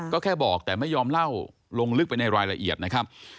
ก็แค่บอกแต่ไม่ยอมเล่าลงลึกไปในรายละเอียดนะครับ